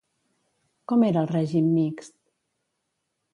Com era el règim mixt?